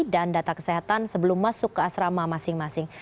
dan data kesehatan sebelum masuk ke asrama masing masing